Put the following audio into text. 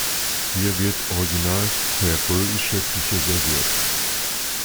Hier wird original färöische Küche serviert.